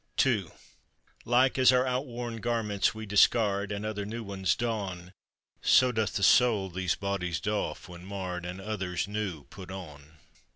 II Like as our outworn garments we discard, And other new ones don; So doth the Soul these bodies doff when marred, And others new put on.